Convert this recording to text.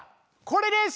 これです！